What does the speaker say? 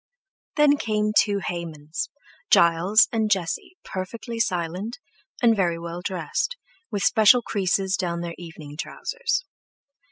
Then came two Haymans—Giles and Jesse perfectly silent, and very well dressed, with special creases down their evening trousers.